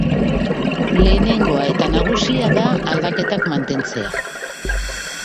Lehenengoa eta nagusia da aldaketak mantentzea.